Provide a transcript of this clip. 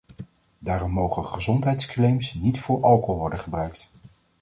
Daarom mogen gezondheidsclaims niet voor alcohol worden gebruikt.